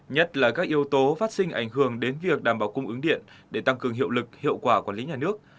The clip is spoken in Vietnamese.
nhất là các yếu tố phát sinh ảnh hưởng đến việc đảm bảo cung ứng điện để tăng cường hiệu lực hiệu quả quản lý nhà nước